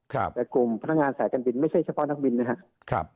แต่กลุ่มพนักงานสายการบินไม่ใช่เฉพาะนักบินนะครับ